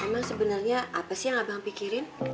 emang sebenarnya apa sih yang abang pikirin